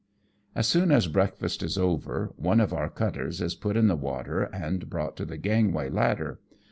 As soon as breakfast is over, one of our cutters is put in the water, and brought to the gangway ladder.